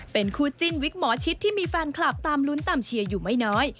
เป็นคู่จิ้นวิกหมอชิดที่มีแฟนคลับตามลุ้นตามเชียร์อยู่ไม่น้อย